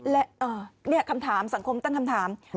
แล้วนี่สังคมตั้งคำถามโอ้โฮ